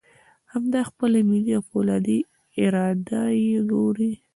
همدا خپله ملي او فولادي اراده یې وګورئ.